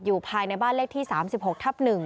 ภายในบ้านเลขที่๓๖ทับ๑